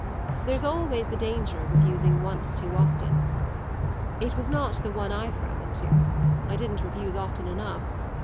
There's always the danger of refusing once too often. It was not the one I fell into I didn't refuse often enough.